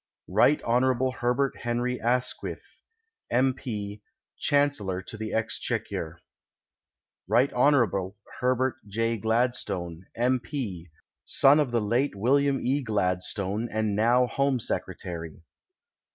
Rt. Hon. Herbert Henry Asquith, M. P., Chancellor of the Exchequer. Rt. Hon. Herbert J. Gladstone, M. P., son of the late William E. Gladstone, and now Home Secretai y.